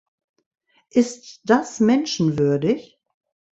Ist das menschenwürdig?